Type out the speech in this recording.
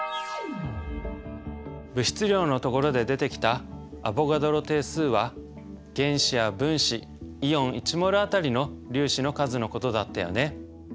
物質量のところで出てきたアボガドロ定数は原子や分子イオン１ｍｏｌあたりの粒子の数のことだったよね。